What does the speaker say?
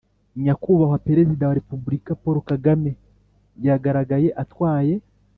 Nyakubahwa perezida wa repubulika paul kagame yagaragaye atwaye